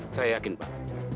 saya yakin pak